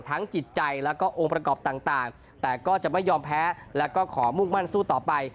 จิตใจแล้วก็องค์ประกอบต่างแต่ก็จะไม่ยอมแพ้แล้วก็ขอมุ่งมั่นสู้ต่อไป